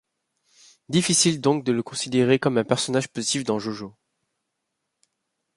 Difficile donc de le considérer comme un personnage positif dans JoJo.